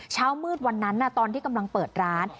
เช้ามืดวันนั้นตอนที่กำลังเปิดร้าน